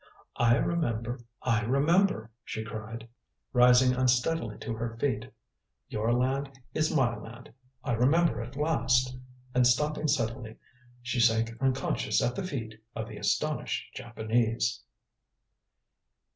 "I remember; I remember," she cried, rising unsteadily to her feet. "Your land is my land. I remember at last," and stopping suddenly, she sank unconscious at the feet of the astonished Japanese.